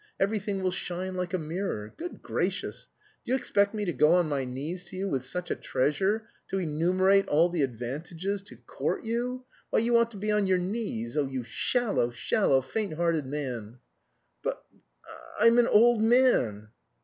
Everything will shine like a mirror. Good gracious, do you expect me to go on my knees to you with such a treasure, to enumerate all the advantages, to court you! Why, you ought to be on your knees.... Oh, you shallow, shallow, faint hearted man!" "But... I'm an old man!"